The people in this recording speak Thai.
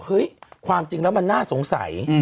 ความจริงแล้วมันน่าสงสัย